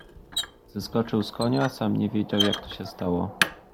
Zeskoczył z konia, sam nie wiedział, jak się to stało.